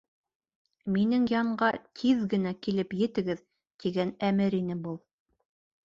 Минең янға тиҙ генә килеп етегеҙ, тигән әмер ине был.